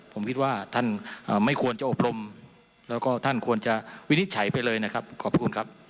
ผมคิดว่าท่านไม่ควรจะอบรมแล้วก็ท่านควรจะวินิจฉัยไปเลยนะครับขอบคุณครับ